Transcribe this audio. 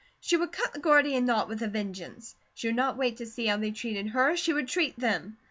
She would cut the Gordian knot with a vengeance. She would not wait to see how they treated her, she would treat them!